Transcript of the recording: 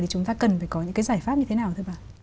thì chúng ta cần phải có những cái giải pháp như thế nào thưa bà